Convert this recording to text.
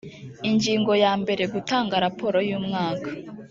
ingingo ya mbere gutanga raporo y umwaka